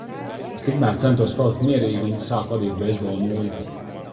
Es tikmēr centos palikt mierīga un sāku adīt beisbola nūju.